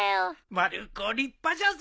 まる子立派じゃぞ。